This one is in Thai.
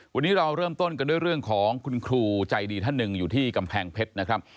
วันนี้เราเริ่มต้นกันด้วยเรื่องของคุณครูใจดีท่านหนึ่งอยู่ที่กำแพงเพชรนะครับ